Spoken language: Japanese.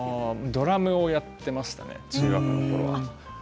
ドラムやってましたね中学のころは。